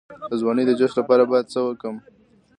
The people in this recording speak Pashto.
د ځوانۍ د جوش لپاره باید څه وکړم؟